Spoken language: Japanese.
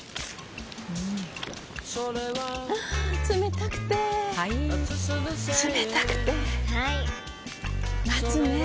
あ冷たくてはい冷たくてはい夏ねえ